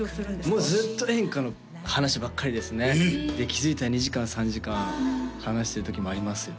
もうずっと演歌の話ばっかりですねで気づいたら２時間３時間話してるときもありますよ